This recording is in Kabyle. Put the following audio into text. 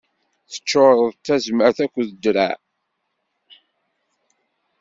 Teččuṛeḍ d tazmert akked ddreɛ.